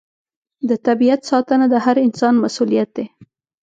د طبیعت ساتنه د هر انسان مسوولیت دی.